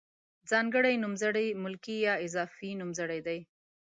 ځانګړي نومځري ملکي یا اضافي نومځري دي.